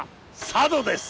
佐渡です。